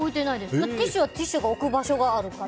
ティッシュはティッシュの置く場所があるから。